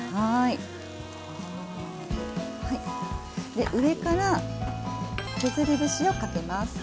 で上から削り節をかけます。